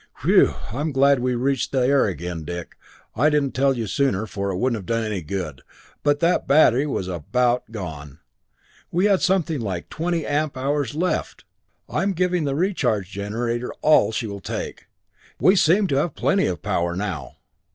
"Whew, I'm glad we reached the air again, Dick. I didn't tell you sooner, for it wouldn't have done any good, but that battery was about gone! We had something like twenty amp hours left! I'm giving the recharge generator all she will take. We seem to have plenty of power now."